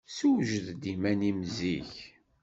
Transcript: Sewjed-d iman-im zik.